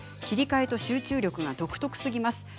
切り替えと集中力が独特すぎます。